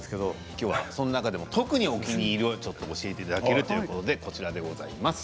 今日はその中でも特にお気に入りを教えていただけるということでこちらでございます。